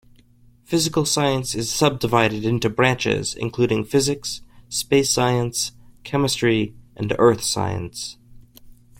Physical science is subdivided into branches, including physics, space science, chemistry, and Earth science.